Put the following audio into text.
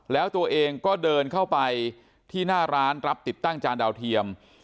แล้วตัวเองก็เดินเข้าไปที่หน้าร้านรับติดตั้งจานดาวเทียม